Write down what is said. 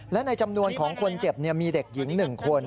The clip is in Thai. และในจำนวนของคนเจ็บมีเด็กหญิง๑คน